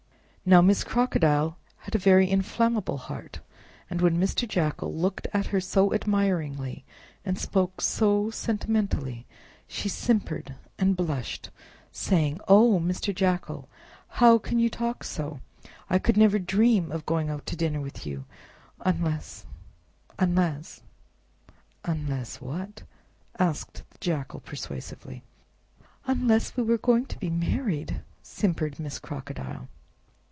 Now Miss Crocodile had a very inflammable heart, and when Mr. Jackal looked at her so admiringly, and spoke so sentimentally, she simpered and blushed, saying, "Oh! Mr. Jackal! how can you talk so? I could never dream of going out to dinner with you, unless—unless—" "Unless what?" asked the Jackal persuasively. "Unless we were going to be married!" simpered Miss Crocodile.